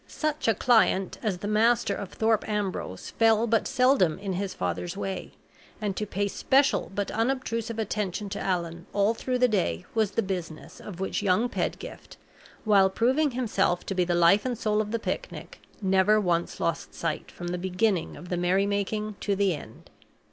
Such a client as the Master of Thorpe Ambrose fell but seldom in his father's way, and to pay special but unobtrusive attention to Allan all through the day was the business of which young Pedgift, while proving himself to be the life and soul of the picnic, never once lost sight from the beginning of the merry making to the end.